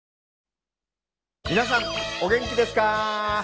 皆さんお元気ですか！